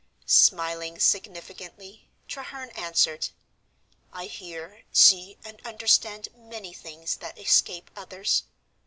Smiling significantly, Treherne answered, "I hear, see, and understand many things that escape others.